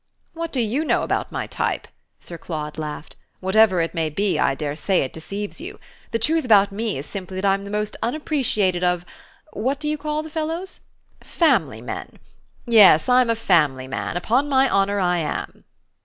"What do you know about my type?" Sir Claude laughed. "Whatever it may be I dare say it deceives you. The truth about me is simply that I'm the most unappreciated of what do you call the fellows? 'family men.' Yes, I'm a family man; upon my honour I am!"